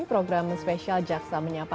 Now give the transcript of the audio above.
program spesial jaksa menyapa